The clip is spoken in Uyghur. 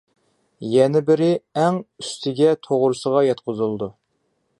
يەنە بىرى ئەڭ ئۈستىگە توغرىسىغا ياتقۇزۇلىدۇ.